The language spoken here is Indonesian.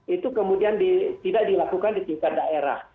itu kemudian tidak dilakukan di tingkat daerah